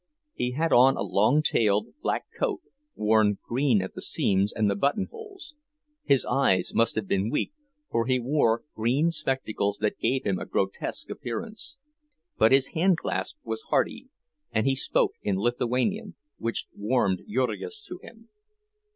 He had on a long tailed black coat, worn green at the seams and the buttonholes; his eyes must have been weak, for he wore green spectacles that gave him a grotesque appearance. But his handclasp was hearty, and he spoke in Lithuanian, which warmed Jurgis to him.